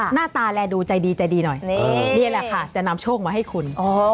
หน้าตาแลดูใจดีใจดีหน่อยนี่แหละค่ะจะนำโชคมาให้คุณ